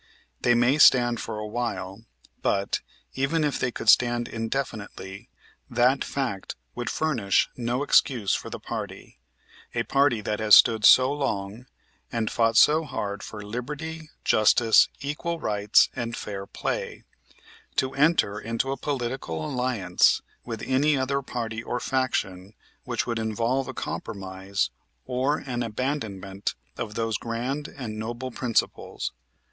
They may stand for a while, but, even if they could stand indefinitely, that fact would furnish no excuse for the party, a party that has stood so long, and fought so hard for liberty, justice, equal rights, and fair play, to enter into a political alliance with any other party or faction which would involve a compromise or an abandonment of those grand and noble principles.